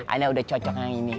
anak udah cocok dengan ini